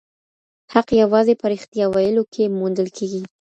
حق یوازي په رښتیا ویلو کي موندل کېږي.